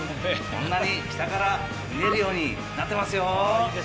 こんなに下から見えるようになってますよ。